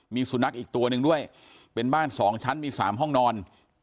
มีสุนัขอีกตัวหนึ่งด้วยเป็นบ้าน๒ชั้นมี๓ห้องนอน